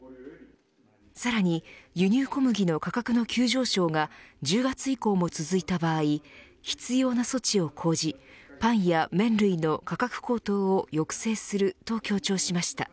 さらに輸入小麦の価格の急上昇が１０月以降も続いた場合必要な措置を講じパンや麺類の価格高騰を抑制すると強調しました。